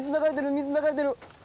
水流れてる！